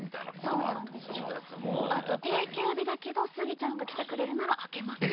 あと定休日だけどスギちゃんが来てくれるなら開けますよとか。